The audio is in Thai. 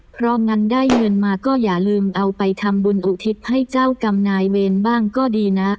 เพราะงั้นได้เงินมาก็อย่าลืมเอาไปทำบุญอุทิศให้เจ้ากรรมนายเวรบ้างก็ดีนะ